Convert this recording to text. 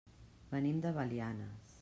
Venim de Belianes.